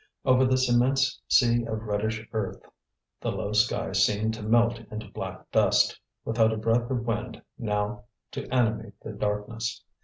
Over this immense sea of reddish earth the low sky seemed to melt into black dust, without a breath of wind now to animate the darkness.